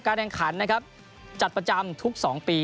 แข่งขันนะครับจัดประจำทุก๒ปี